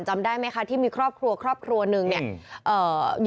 จำได้ไหมคะที่มีครอบครัวครอบครัวหนึ่งเนี่ย